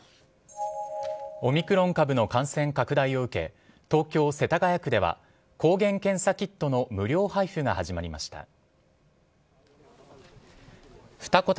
オミクロン株の感染拡大を受け東京・世田谷区では抗原検査キットの無料配布が始まりました。